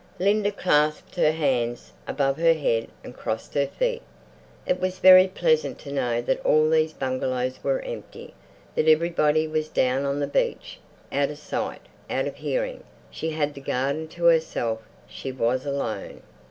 Linda clasped her hands above her head and crossed her feet. It was very pleasant to know that all these bungalows were empty, that everybody was down on the beach, out of sight, out of hearing. She had the garden to herself; she was alone.